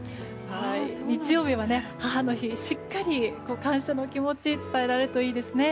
日曜日の母の日しっかり感謝の気持ち伝えられるといいですね。